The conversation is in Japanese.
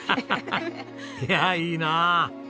いやあいいなあ。